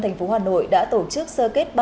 thành phố hà nội đã tổ chức sơ kết